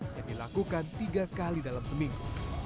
yang dilakukan tiga kali dalam seminggu